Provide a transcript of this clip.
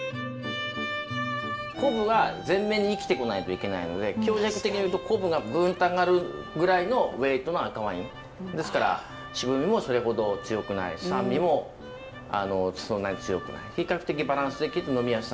昆布は全面に生きてこないといけないので強弱的に言うと昆布がグンと上がるぐらいのウエイトの赤ワイン。ですから渋みもそれほど強くない酸味もそんなに強くない比較的バランス的で呑みやすさがあるもの。